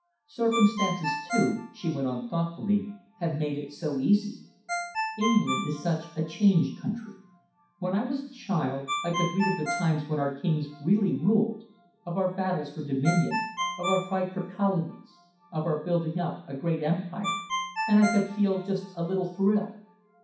Circumstances, too," she went on thoughtfully, "have made it so easy. England is such a changed country. When I was a child, I could read of the times when our kings really ruled, of our battles for dominion, of our fight for colonies, of our building up a great empire, and I could feel just a little thrill.